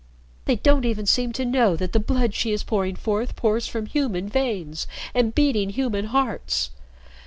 They don't even seem to know that the blood she is pouring forth pours from human veins and beating human hearts.